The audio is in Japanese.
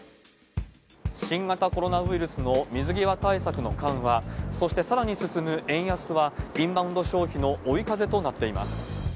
新型コロナウイルスの水際対策の緩和、そしてさらに進む円安は、インバウンド消費の追い風となっています。